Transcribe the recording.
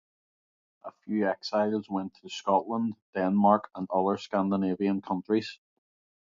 A few exiles went to Scotland, Denmark, and other Scandinavian countries.